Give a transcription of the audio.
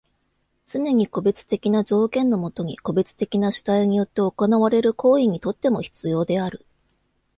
つねに個別的な条件のもとに個別的な主体によって行われる行為にとっても必要である。